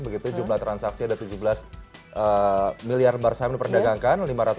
begitu jumlah transaksi ada tujuh belas miliar bar saham diperdagangkan